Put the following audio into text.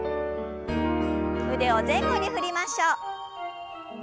腕を前後に振りましょう。